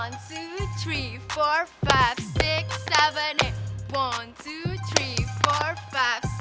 oke masukannya diterima terima kasih ya